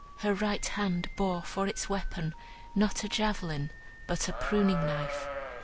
Her right hand bore for its weapon not a javelin, but a pruning knife.